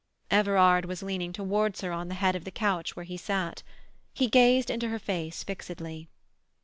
Everard was leaning towards her on the head of the couch where he sat. He gazed into her face fixedly.